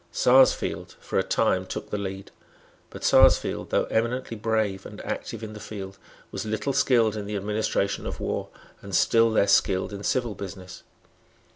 Sarsfield for a time took the lead. But Sarsfield, though eminently brave and active in the field, was little skilled in the administration of war, and still less skilled in civil business.